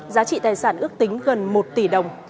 giá trị tài sản ước tính gần một tỷ đồng